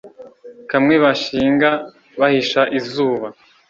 kamwe bashinga bahisha izuba